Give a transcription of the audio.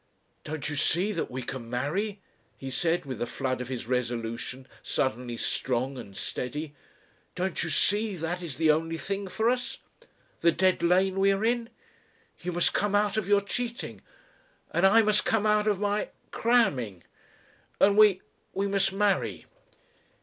"Don't you see that we can marry?" he said, with the flood of his resolution suddenly strong and steady. "Don't you see that is the only thing for us? The dead lane we are in! You must come out of your cheating, and I must come out of my ... cramming. And we we must marry."